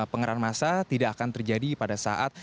pengeran masa tidak akan terjadi pada saat